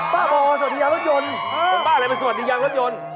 ผมบ้าอะไรเป็นสวัสดียังรถยนต์